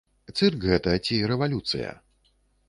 Цырк гэта ці рэвалюцыя?